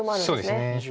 そうですね。